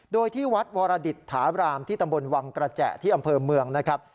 โดยที่วัดวรดิตถาบรามที่ตำบลวังกระแจที่อำเภอเมืองนะครับ